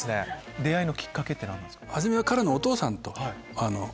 出会いのきっかけって何なんですか？